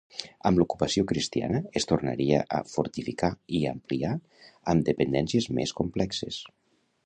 Amb l'ocupació cristiana es tornaria a fortificar i ampliar amb dependències més complexes.